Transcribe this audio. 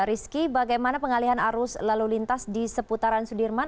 rizky bagaimana pengalihan arus lalu lintas di seputaran sudirman